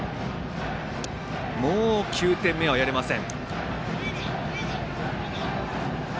もう９点目はやれません。